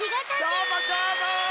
どーもどーも！